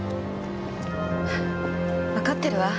わかってるわ。